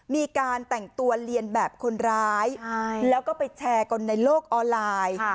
มีการแต่งตัวเรียนแบบคนร้ายแล้วก็ไปแชร์กันในโลกออนไลน์